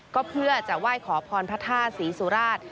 ก็เพื่อจะไหว้ขอพรพระธาตุศรีสุราช